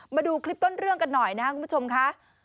มาดูคลิปต้นเรื่องกันหน่อยนะครับคุณผู้ชมค่ะ